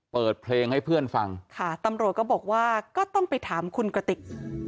เปิดเพลงให้เพื่อนฟังค่ะตำรวจก็บอกว่าก็ต้องไปถามคุณกระติก